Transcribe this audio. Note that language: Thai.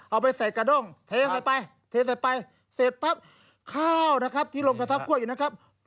เอาไปใส่กระด้งเทใส่ไปเทใส่ไปเสร็จปั๊บข้าวนะครับที่ลงกระทับกล้วยอยู่นะครับ